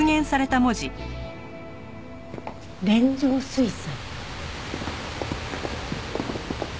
「連城水産」